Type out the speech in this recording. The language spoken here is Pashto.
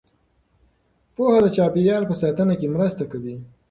پوهه د چاپیریال په ساتنه کې مرسته کوي.